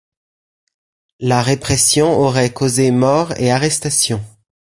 La répression aurait causé morts et arrestations.